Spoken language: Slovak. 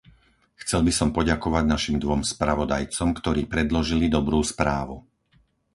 Chcel by som poďakovať našim dvom spravodajcom, ktorí predložili dobrú správu.